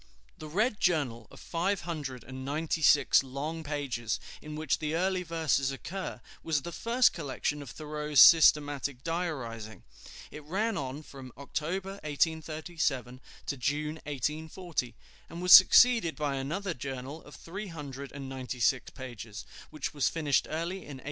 The Red Journal of five hundred and ninety six long pages, in which the early verses occur, was the first collection of Thoreau's systematic diarizing. It ran on from October, 1837, to June, 1840, and was succeeded by another journal of three hundred and ninety six pages, which was finished early in 1841.